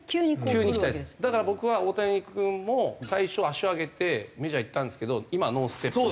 だから僕は大谷君も最初足を上げてメジャーいったんですけど今はノーステップ。